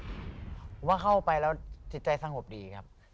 ผมว่าเข้าไปแล้วจิตใจสงบดีครับ